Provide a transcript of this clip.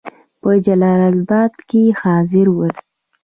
په جلال آباد کې حاضر ول.